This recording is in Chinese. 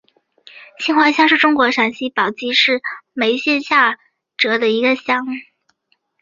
青化乡是中国陕西省宝鸡市眉县下辖的一个乡。